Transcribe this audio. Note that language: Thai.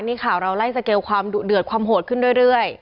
นี่ข่าวเราไล่สเกลความดุเดือดความโหดขึ้นเรื่อย